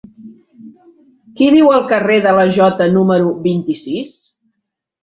Qui viu al carrer de la Jota número vint-i-sis?